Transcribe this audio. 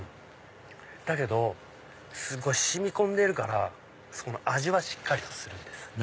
だけどすごい染み込んでるから味はしっかりとするんです。